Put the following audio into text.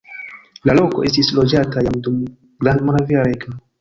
La loko estis loĝata jam dum Grandmoravia Regno.